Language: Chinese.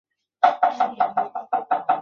此说法已经逐渐没落。